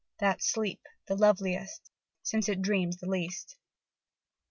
That sleep, the loveliest, since it dreams the least.